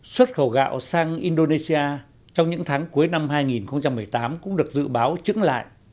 xuất khẩu gạo sang indonesia trong những tháng cuối năm hai nghìn một mươi tám cũng được dự báo trứng lại